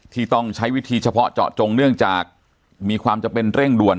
ที่ต้องใช้วิธีเฉพาะเจาะจงเนื่องจากมีความจำเป็นเร่งด่วน